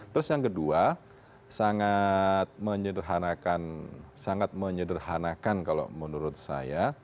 terus yang kedua sangat menyederhanakan sangat menyederhanakan kalau menurut saya